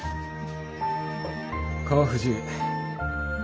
川藤。